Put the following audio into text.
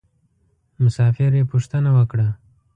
مسافر یې پوښتنه یې وکړه.